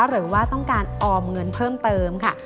หรือว่าต้องการออมเงินเพิ่มเติมค่ะ